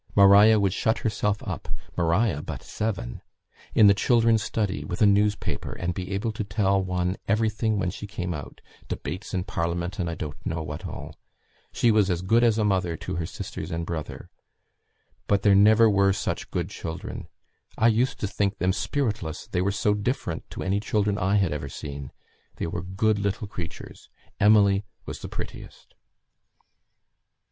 Maria would shut herself up" (Maria, but seven!) "in the children's study with a newspaper, and be able to tell one everything when she came out; debates in Parliament, and I don't know what all. She was as good as a mother to her sisters and brother. But there never were such good children. I used to think them spiritless, they were so different to any children I had ever seen. They were good little creatures. Emily was the prettiest."